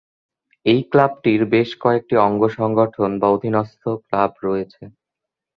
এই ক্লাবটির বেশ কয়েকটি অঙ্গ সংগঠন বা অধীনস্থ ক্লাব রয়েছে।